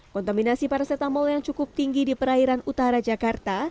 kontaminasi paracetamol yang cukup tinggi di perairan utara jakarta